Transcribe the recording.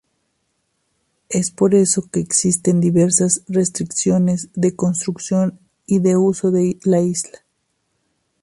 Es por esto que existen diversas restricciones de construcción y uso de la isla.